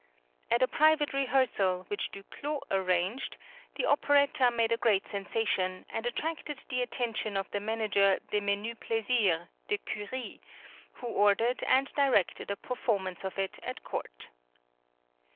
At a private rehearsal, which Duclos arranged, the operetta made a great sensation, and attracted the attention of the manager des menus plaisirs, De Cury, who ordered and directed a performance of it at court.